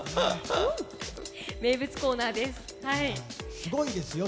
名物コーナーですね。